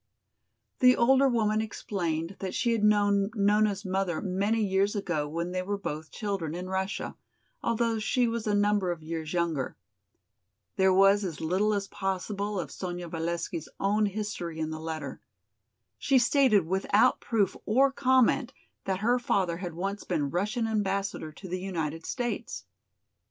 The older woman explained that she had known Nona's mother many years ago when they were both children in Russia, although she was a number of years younger. There was as little as possible of Sonya Valesky's own history in the letter. She stated without proof or comment that her father had once been Russian Ambassador to the United States.